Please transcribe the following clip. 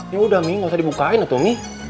ya udah mi gak usah dibukain quran